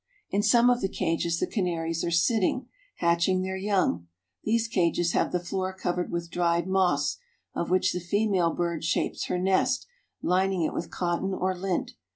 In some of the cages the canaries are sitting, hatching their young. These cages have the floor covered with dried moss, of which the female bird shapes her nest, lining it with cotton or lint.